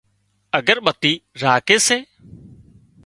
اڳرٻتي راکي سي